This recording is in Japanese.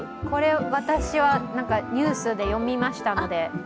これ私はニュースで読みましたので。